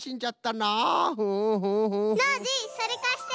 ノージーそれかして。